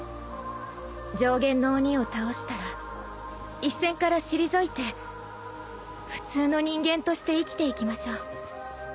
上弦の鬼を倒したら一線から退いて普通の人間として生きていきましょう。